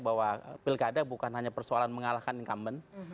bahwa pilkada bukan hanya persoalan mengalahkan incumbent